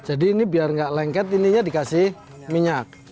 jadi ini biar nggak lengket ini dikasih minyak